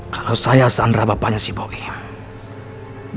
kalau saya sandra bapaknya si boyam